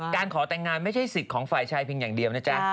การขอแต่งงานไม่ใช่สิทธิ์ของฝ่ายชายเพียงอย่างเดียวนะจ๊ะ